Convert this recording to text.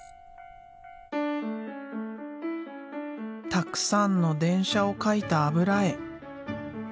たくさんの電車を描いた油絵。